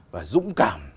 và dũng cảm